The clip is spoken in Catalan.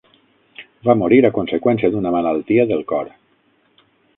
Va morir a conseqüència d'una malaltia del cor.